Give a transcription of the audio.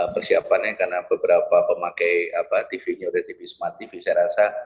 persiapannya karena beberapa pemakai tv nya udah tv wisma tv saya rasa